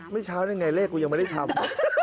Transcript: ไม่เช้าได้ไงเลขกูยังไม่ได้ทำ